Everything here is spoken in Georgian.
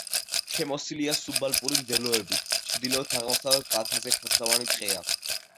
შემოსილია სუბალპური მდელოებით, ჩრდილო-აღმოსავლეთ კალთაზე ფოთლოვანი ტყეა.